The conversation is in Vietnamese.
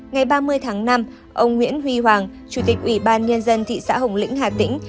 ngày ba mươi tháng năm ông nguyễn huy hoàng chủ tịch ủy ban nhân dân thị xã hồng lĩnh hà tĩnh